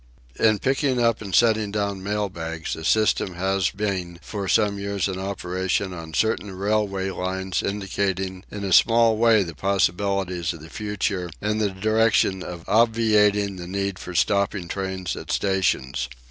In picking up and setting down mail bags a system has been for some years in operation on certain railway lines indicating in a small way the possibilities of the future in the direction of obviating the need for stopping trains at stations.